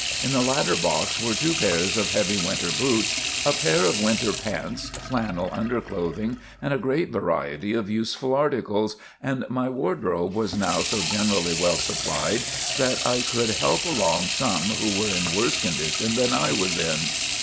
In the latter box were two pairs of heavy winter boots, a pair of winter pants, flannel under clothing and a great variety of useful articles, and my wardrobe was now so generally well supplied that I could help along some who were in worse condition than I was in.